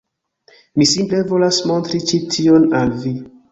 Mi simple volas montri ĉi tion al vi.